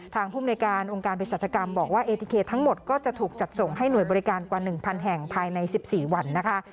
ภูมิในการองค์การเพศรัชกรรมบอกว่าเอทีเคทั้งหมดก็จะถูกจัดส่งให้หน่วยบริการกว่า๑๐๐แห่งภายใน๑๔วันนะคะ